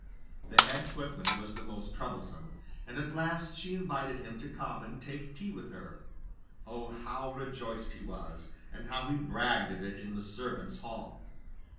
The head footman was the most troublesome, and at last she invited him to come and take tea with her. Oh, how rejoiced he was, and how he bragged of it in the servants' hall!